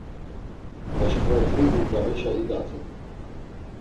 Aşǩva Zunguldağişa idaten.